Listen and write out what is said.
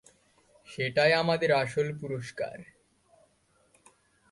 সেটাই আমাদের আসল পুরস্কার।